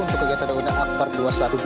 untuk kegiatan dona akbar dua ratus dua belas